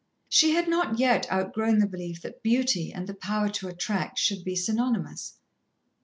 She had not yet outgrown the belief that beauty and the power to attract should be synonymous.